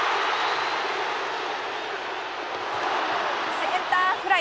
センターフライ。